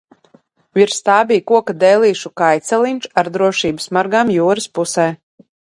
Virs tā bija koka dēlīšu kājceliņš ar drošības margām jūras pusē.